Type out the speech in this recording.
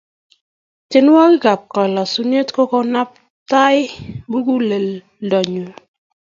tienwokik ap kalasunet kokanaptai mukuleldo nyuu